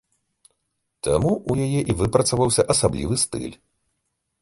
Там у яе і выпрацаваўся асаблівы стыль.